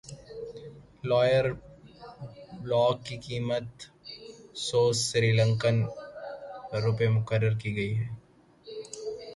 lower block کی قیمت سو سری لنکن روپے مقرر کی گئی ہے